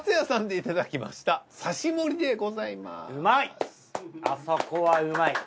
うまいあそこはうまい。